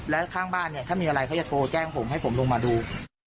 แล้วข้างบ้านถ้ามีอะไรเขาอยากโกรธแจ้งผมให้ผมลงมาดู